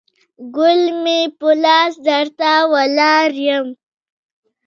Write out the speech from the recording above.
ګل مې په لاس درته ولاړ یم